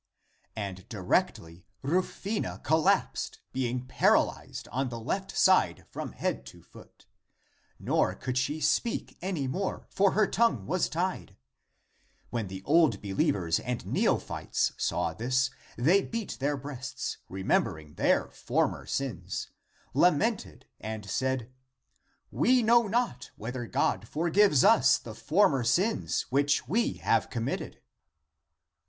And directly Rufina collapsed, being paralyzed on the left side from head to foot. Nor could she speak any more, for her tongue was tied.^ When the old believers and neophytes ^ saw this, they beat their breasts, remembering their former sins, la mented and said, " We know not whether God for gives us the former sins, which we have com mitted."